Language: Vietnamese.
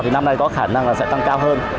thì năm nay có khả năng là sẽ tăng cao hơn